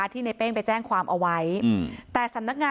ที่ในเป้งไปแจ้งความเอาไว้